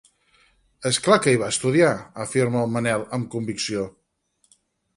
És clar que hi va estudiar —afirma el Manel amb convicció—.